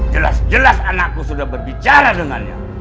jelas jelas anakku sudah berbicara dengannya